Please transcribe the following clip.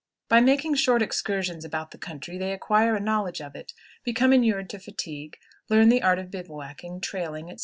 By making short excursions about the country they acquire a knowledge of it, become inured to fatigue, learn the art of bivouacking, trailing, etc.